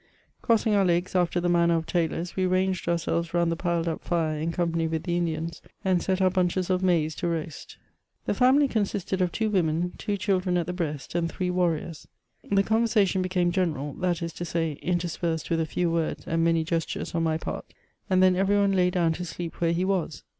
Crossing our legs after the manner of tailors, we ranged ourselves round the piled up fire in company with the Indians, and set our bunches of maize to roast. The family consisted of twa women, two children at the breast, and three warriors. The conversation became general — that is to say, interspersed with a few words and many gestures on my part; and then every one lay down to sleep where he was.